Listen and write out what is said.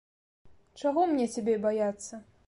Чаго мне цябе баяцца?